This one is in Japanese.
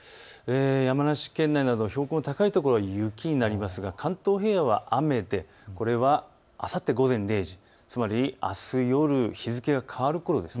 山梨県内など標高の高い所は雪になりますが、関東平野は雨でこれはあさって午前０時、つまりあす夜、日付が変わるころです。